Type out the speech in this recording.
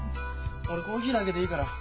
俺コーヒーだけでいいから。